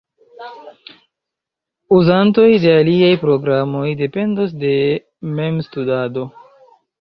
Uzantoj de aliaj programoj dependos de memstudado.